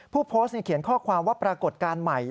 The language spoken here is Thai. ผู้โพสต์เขียนข้อความว่าปรากฏการณ์ใหม่